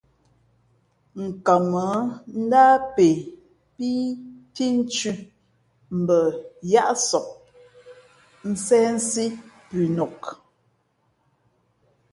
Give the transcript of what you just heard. Nkamα̌ ndáh pe pí phínthʉ̄ mbα yáʼsap nséhsí pʉnok.